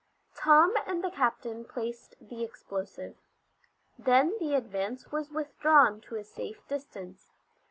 Tom and the captain placed the explosive. Then the Advance was withdrawn to a safe distance.